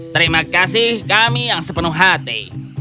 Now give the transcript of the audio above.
terima kasih kami yang sepenuh hati